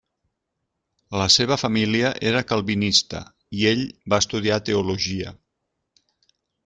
La seva família era calvinista i ell va estudiar teologia.